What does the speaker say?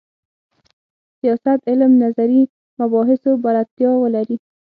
سیاست علم نظري مباحثو بلدتیا ولري.